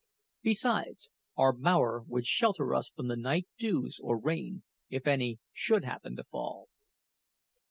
Besides, our bower would shelter us from the night dews or rain, if any should happen to fall.